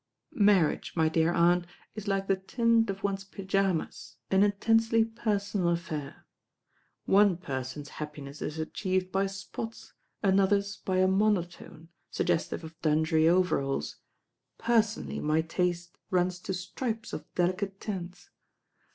"Marriage, my dear aunt, it like the tint of one't pyjamas, an intensely personal affair. One person's happiness is achieved by spots, another's by a mono tone, suggestive of dungaree overalls; personally my taste runs to stripes of delicate tints.